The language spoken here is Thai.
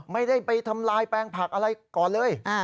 ไม่ได้ไปทำลายแปลงผักอะไรก่อนเลย